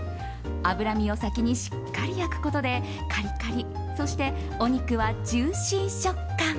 脂身を先にしっかり焼くことでカリカリそしてお肉はジューシー食感。